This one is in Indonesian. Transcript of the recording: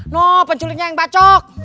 nuh penculiknya yang bacok